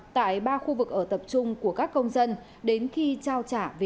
tại ba khu vực ở tập trung của các công dân đến khi trao trả về nước bạn